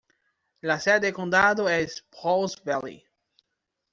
La sede del condado es Pauls Valley.